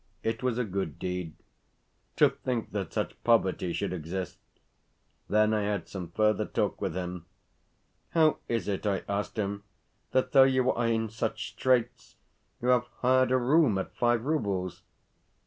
It was a good deed. To think that such poverty should exist! Then I had some further talk with him. "How is it," I asked him, "that, though you are in such straits, you have hired a room at five roubles?"